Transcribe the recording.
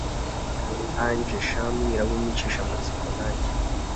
Angel sha mbwira winyicishamatsiko nanjye